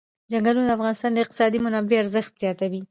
چنګلونه د افغانستان د اقتصادي منابعو ارزښت زیاتوي.